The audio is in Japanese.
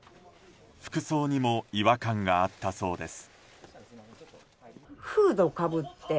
服装にも違和感があったそうです。